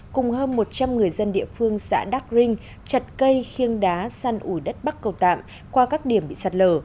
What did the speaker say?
cùng hơn một trăm linh người dân địa phương xã đắc rinh chặt cây khiêng đá săn ủi đất bắc cầu tạm qua các điểm bị sạt lở